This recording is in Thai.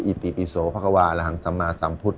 อิติปิโสพระกวาระหังสมาสัมพุทธ